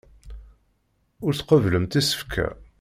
Ur tqebblemt isefka.